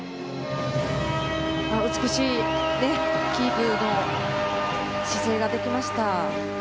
美しいキープの姿勢ができました。